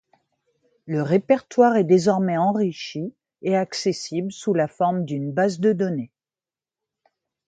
Le répertoire est désormais enrichi et accessible sous la forme d’une base de données.